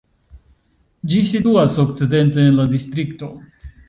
Ĝi situas okcidente en la distrikto.